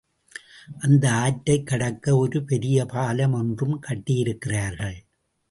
அந்த ஆற்றைக் கடக்க ஒரு பெரிய பாலம் ஒன்றும் கட்டியிருக்கிறார்கள்.